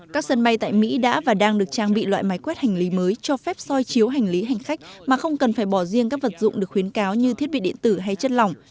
các sân bay tại mỹ đã và đang được trang bị loại máy quét hành lý mới cho phép soi chiếu hành lý hành khách mà không cần phải bỏ riêng các vật dụng được khuyến cáo như thiết bị điện tử hay chất lỏng